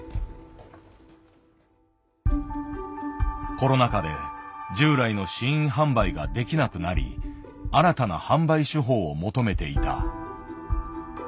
コロナ禍で従来の「試飲販売」ができなくなり新たな販売手法を求めていた。